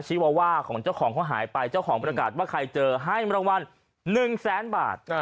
ชวาว่าของเจ้าของเขาหายไปเจ้าของประกาศว่าใครเจอให้รางวัล๑แสนบาท